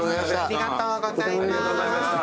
ありがとうございます。